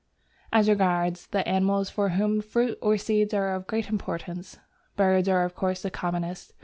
As regards the animals for whom fruit or seeds are of great importance, birds are of course the commonest.